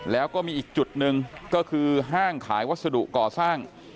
แล้วก็มีอีกจุดหนึ่งก็คือห้างขายวัสดุก่อสร้าง